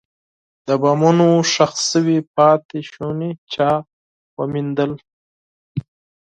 د بمونو ښخ شوي پاتې شوني چا وموندل.